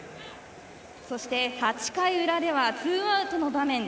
そして８回裏ではツーアウトの場面。